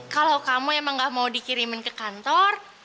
kalau kamu emang gak mau dikirimin ke kantor